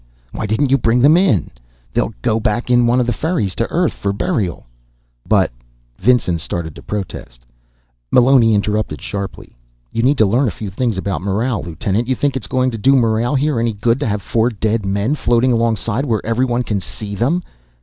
Why didn't you bring them in? They'll go back in one of the ferries to Earth for burial." "But " Vinson started to protest. Meloni interrupted sharply. "You need to learn a few things about morale, Lieutenant. You think it's going to do morale here any good to have four dead men floating alongside where everyone can see them?